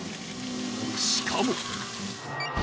しかも。